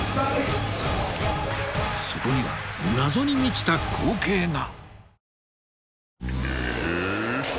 そこには謎に満ちた光景が！